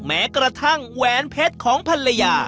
แม้กระทั่งแหวนเพชรของภรรยา